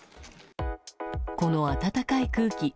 この暖かい空気。